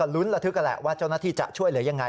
ลุ้นระทึกแหละว่าเจ้าหน้าที่จะช่วยเหลือยังไง